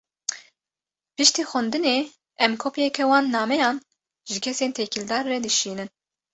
Piştî xwendinê, em kopyeke wan nameyan, ji kesên têkildar re dişînin